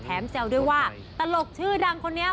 แซวด้วยว่าตลกชื่อดังคนนี้